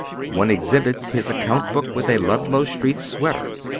One exhibits his account book with a Lndlow Street sweater.